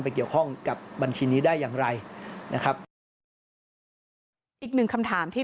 ก็เกี่ยวกับความผิดในลักษณะไหน